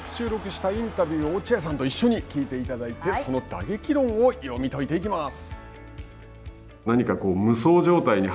きょうは先日収録したインタビューを落合さんと一緒に聞いていただいてその打撃論を読み解いていきます。